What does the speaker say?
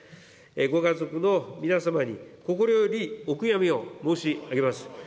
ご家族の皆様に、心よりお悔やみを申し上げます。